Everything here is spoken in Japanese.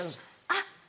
あっ。